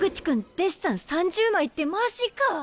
デッサン３０枚ってマジか！